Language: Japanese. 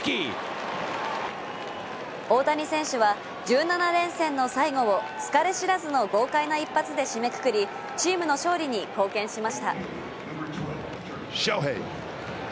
大谷選手は１７連戦の最後を疲れ知らずの豪快な一発で締めくくり、チームの勝利に貢献しました。